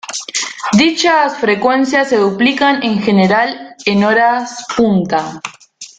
Dichas frecuencias se duplican en general en horas punta.